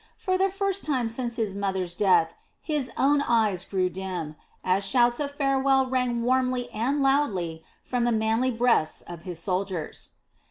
For the first time since his mother's death his own eyes grew dim, as shouts of farewell rang warmly and loudly from the manly breasts of his soldiers.